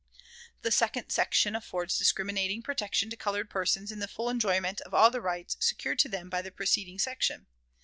The second section affords discriminating protection to colored persons in the full enjoyment of all the rights secured to them by the preceding section.